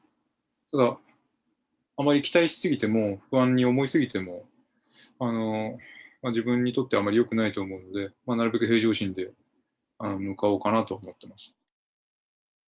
ただ、あまり期待し過ぎても、不安に思い過ぎても、自分にとってあまりよくないと思うので、なるべく平常心で向かおうかなと思っています。